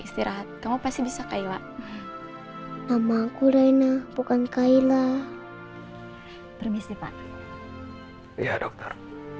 istirahat kamu pasti bisa kaila nama aku raina bukan kaila permisi pak iya dokter